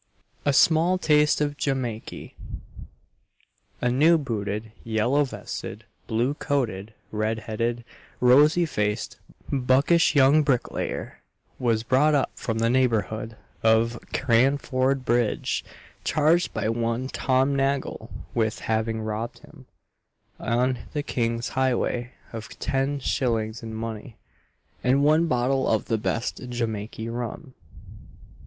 A SMALL TASTE OF JIMAKEY. A new booted, yellow vested, blue coated, red headed, rosy faced, buckish young bricklayer, was brought up from the neighbourhood of Cranford bridge, charged by one Tom Nagle with having robbed him, on the King's highway, of ten shillings in money, and one bottle of "the best Jimakey rum."